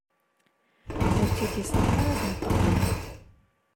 Ur tt-id-iṣaḥ ara ad d-tenṭeq.